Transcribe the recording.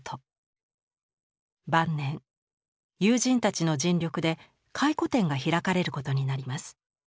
晩年友人たちの尽力で回顧展が開かれることになります。